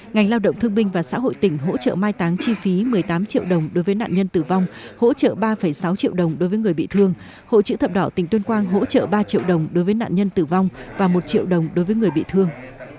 ban an toàn giao thông quốc gia hỗ trợ nạn nhân tử vong ba triệu đồng hỗ trợ ba triệu đồng đối với người bị thương hỗ trợ ba triệu đồng đối với nạn nhân tử vong và một triệu đồng đối với người bị thương